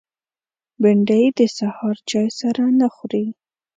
بېنډۍ د سهار چای سره نه خوري